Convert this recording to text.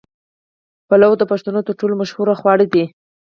پلو د پښتنو تر ټولو مشهور خواړه دي.